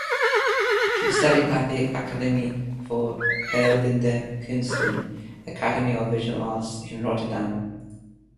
She studied at the "Academie voor Beeldende Kunsten" (Academy of Visual Arts) in Rotterdam.